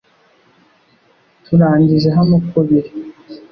Turangije hano uko biri